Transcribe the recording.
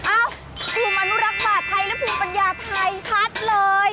ภูมิอนุรักษ์บาทไทยและภูมิปัญญาไทยชัดเลย